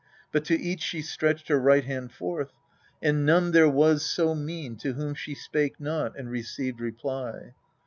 But to each she stretched Her right hand forth ; and none there was so mean To whom she spake not and received reply.